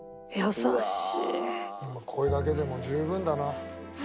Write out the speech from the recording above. これだけでも十分だな。